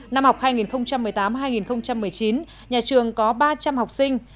năm học hai nghìn một mươi tám hai nghìn một mươi chín nhà trường có ba trăm linh học sinh